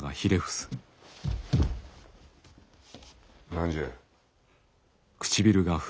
何じゃ。